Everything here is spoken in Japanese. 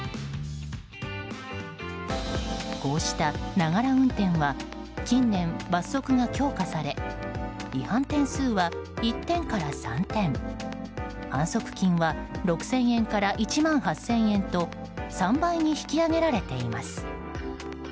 こうした、ながら運転は近年、罰則が強化され違反点数は１点から３点反則金は６０００円から１万８０００円と３倍に引き上げられています。